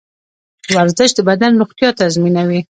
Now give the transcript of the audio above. ورزش د بدن روغتیا تضمینوي.